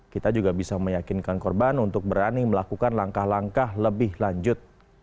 kita juga bisa meyakinkan korban untuk berani melakukan langkah langkah lebih lanjut